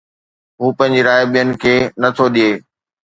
هو پنهنجي راءِ ٻين کي نه ٿو ڏئي